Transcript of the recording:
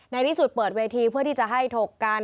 ในที่สุดเปิดเวทีเพื่อที่จะให้ถกกัน